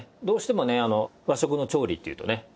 どうしてもね和食の調理っていうとね